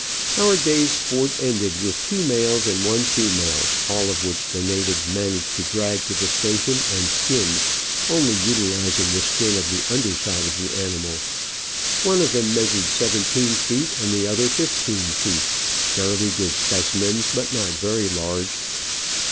Our day's sport ended with two males and one female, all of which the natives managed to drag to the station and skin, only utilising the skin of the under side of the animal. One of them measured seventeen feet and the other fifteen feet —■ fairly good specimens, but not very large.